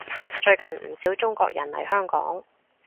最近唔少中國人嚟香港